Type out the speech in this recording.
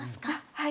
はい。